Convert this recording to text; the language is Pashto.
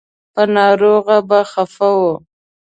په ناروغ به خفه و.